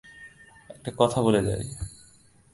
একটা কথা বলে যাই।